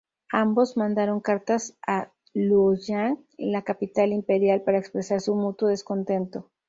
Ambos mandaron cartas a Luoyang, la capital imperial, para expresar su mutuo descontento.